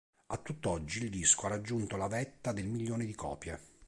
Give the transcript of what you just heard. A tutt'oggi il disco ha raggiunto la vetta del milione di copie.